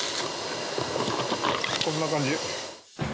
こんな感じ。